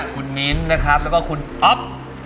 คุณมิ้นค์และคุณอัพ